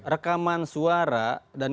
rekaman suara dan kemungkinan